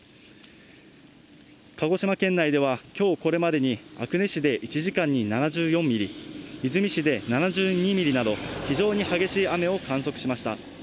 鹿児島県内ではきょうこれまでに阿久根市で１時間に７４ミリ、出水市で７２ミリなど、非常に激しい雨を観測しました。